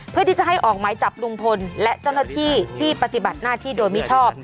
เพื่อที่จะให้ออกหมายจับลุงพลและเจ้าหน้าที่ที่ปฏิบัติหน้าที่โดยมิชอบ